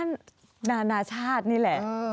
นานาชาตินี่แหละ